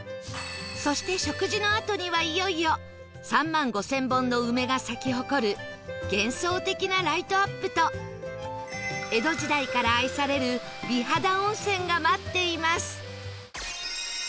そして食事のあとにはいよいよ３万５０００本の梅が咲き誇る幻想的なライトアップと江戸時代から愛される美肌温泉が待っています